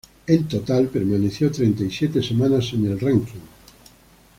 En total, permaneció treinta y siete semanas en el "ranking".